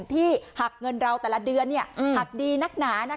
ที่หักเงินเราแต่ละเดือนหักดีนักหนา